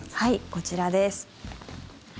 こちらです。